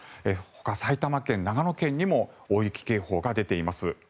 埼玉県、長野県にも大雪警報が出ています。